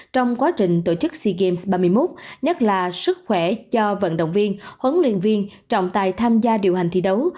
trong quá trình tổ chức sea games ba mươi một nhất là sức khỏe cho vận động viên huấn luyện viên trọng tài tham gia điều hành thi đấu